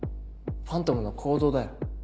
ファントムの行動だよ。